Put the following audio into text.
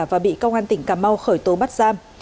và bị công an tỉnh cà mau khởi tố bắt giam